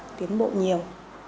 nó cũng tiến bộ nhiều